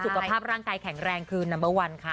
สุขภาพร่างกายแข็งแรงคืนนัมเบอร์วันค่ะ